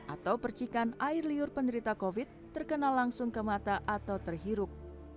atau percikan air liur penderita covid terkena langsung ke mata atau terhirup